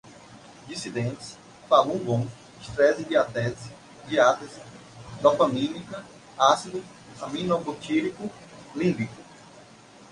dissidentes, falun gong, estresse-diátese, diátese, dopamínica, ácido aminobutírico, límbico